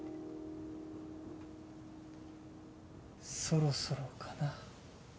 そろそろかな。